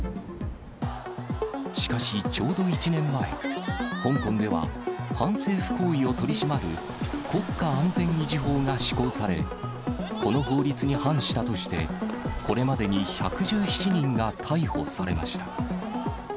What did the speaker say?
しかしちょうど１年前、香港では、反政府行為を取り締まる国家安全維持法が施行され、この法律に反したとして、これまでに１１７人が逮捕されました。